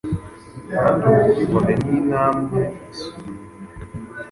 Kandi ubwibone n' intambwe isubira inyuma